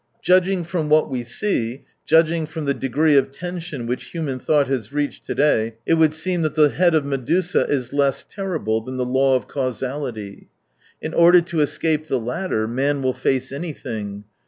Judging from what we see, judging from the degree of tension which human thought has reached to day, it would seem that the head of Medusa is less terrible than the law of causality. In order to escape the latter, man will face anything.